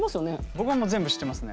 僕はもう全部知ってますね。